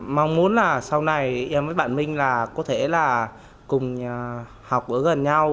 mong muốn là sau này em với bạn minh là có thể là cùng học ở gần nhau